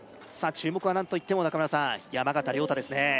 注目は何といっても中村さん山縣亮太ですね